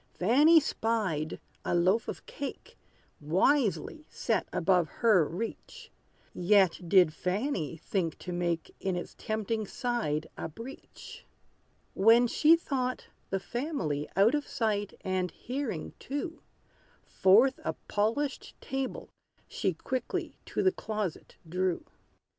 Fanny spied, a loaf of cake, Wisely set above her reach; Yet did Fanny think to make In its tempting side a breach. When she thought the family Out of sight and hearing too, Forth a polished table she Quickly to the closet drew.